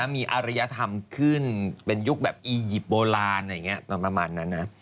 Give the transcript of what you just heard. มีอารยธรรมขึ้นเป็นยุคแบบอียิปต์โบราณอะไรอย่างนี้ประมาณนั้นนะ